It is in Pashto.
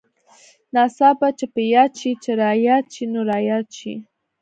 ناڅاپه چې په ياد شې چې راياد شې نو راياد شې.